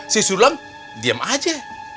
si sulam diem aja